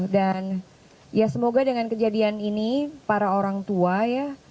dan ya semoga dengan kejadian ini para orang tua ya